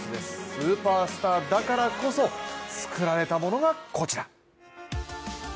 スーパースターだからこそ作られたものがこちら。